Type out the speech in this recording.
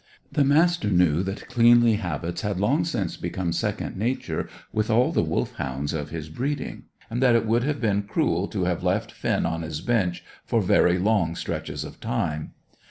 The Master knew that cleanly habits had long since become second nature with all the Wolfhounds of his breeding, and that it would have been cruel to have left Finn on his bench for very long stretches of time.